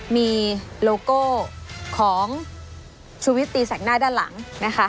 มีโลโก้ของชูวิตตีแสกหน้าด้านหลังนะคะ